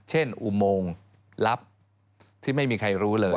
อุโมงลับที่ไม่มีใครรู้เลย